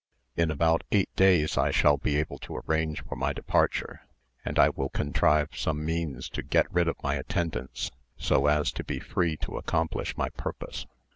In about eight days I shall be able to arrange for my departure, and I will contrive some means to get rid of my attendants, so as to be free to accomplish my purpose.